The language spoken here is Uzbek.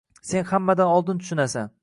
Sen hammadan oldin tushunasan.